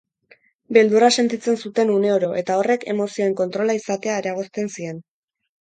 Beldurra sentitzen zuten uneoro eta horrek, emozioen kontrola izatea eragozten zien.